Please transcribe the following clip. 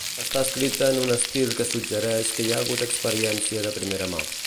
Està escrita en un estil que suggereix que hi ha hagut experiència de primera mà.